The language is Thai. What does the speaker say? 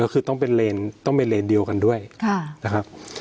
ก็คือต้องเป็นต้องเป็นเลนเดียวกันด้วยนะครับ